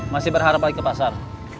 masih berharap lagi ke pasar